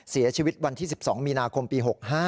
เสียชีวิตวันที่๑๒มีนาคมปี๖๕